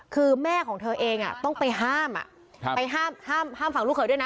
คือแม่ของเธอเองต้องไปห้ามไปห้ามฝั่งลูกเขยด้วยนะ